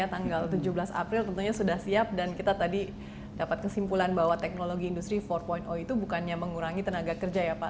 tanggal tujuh belas april tentunya sudah siap dan kita tadi dapat kesimpulan bahwa teknologi industri empat itu bukannya mengurangi tenaga kerja ya pak